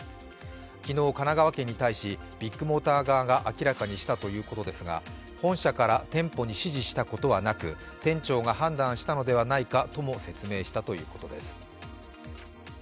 昨日、神奈川県に対しビッグモーター側が明らかにしたということですが本社から店舗に指示したことはなく店長が判断したのではないかとも説明したということです。